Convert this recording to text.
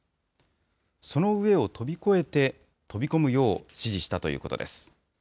その上を飛び越えて、飛び込むよう指示したということです。